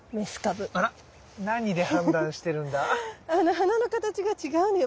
花の形が違うのよ。